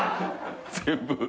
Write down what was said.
全部。